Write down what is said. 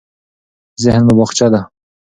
ذهن مو باغچه ده.